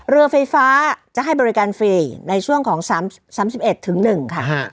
เรือไฟฟ้าจะให้บริการฟรีในช่วงของ๓๑ถึง๑ค่ะ